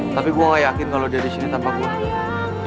tapi gue gak yakin kalau dia disini tanpa gue